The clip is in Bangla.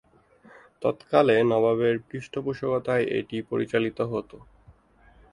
তৎকালে নবাবদের পৃষ্ঠপোষকতায় এটি পরিচালিত হত।